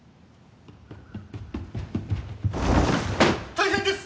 ・大変です！